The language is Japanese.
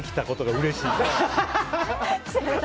うれしい！